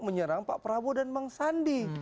menyerang pak prabowo dan bang sandi